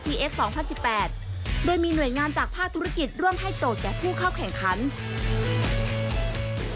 เอส๒๐๑๘โดยมีหน่วยงานจากภาคธุรกิจร่วมให้โจทย์แก่ผู้เข้าแข่งขัน